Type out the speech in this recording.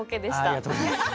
ありがとうございます。